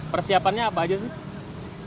persiapannya apa aja sih